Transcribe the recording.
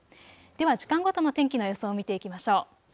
では時間ごとの天気の予想を見ていきましょう。